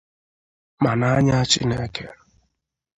ma n'anya Chineke.